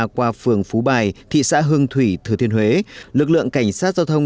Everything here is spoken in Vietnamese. qua phường phú bài thị xã hương thủy thừa thiên huế lực lượng cảnh sát giao thông